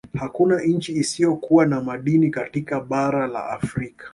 Hakuna nchi isiyo kuwa na madini katika bara la Afrika